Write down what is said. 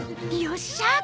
よっしゃあ！